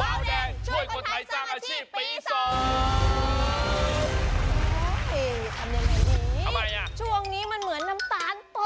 ป้าวแดงช่วยคนไทยสร้างอาชีพปีศาสตร์